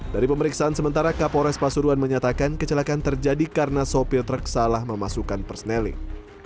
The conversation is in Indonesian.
dari pemeriksaan sementara kapolres pasuruan menyatakan kecelakaan terjadi karena sopir truk salah memasukkan perseneling